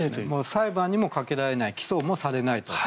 裁判にもかけられない起訴もされないと。